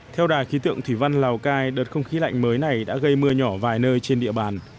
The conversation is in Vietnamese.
theo đài khí tượng thủy văn lào cai đợt không khí lạnh mới này đã gây mưa nhỏ vài nơi trên địa bàn